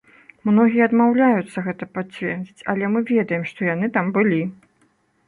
Многія адмаўляюцца гэта пацвердзіць, але мы ведаем, што яны там былі.